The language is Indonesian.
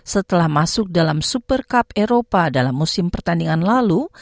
setelah masuk dalam super cup eropa dalam musim pertandingan lalu